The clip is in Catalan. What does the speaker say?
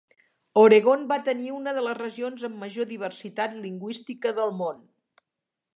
Oregon va tenir una de les regions amb major diversitat lingüística del món.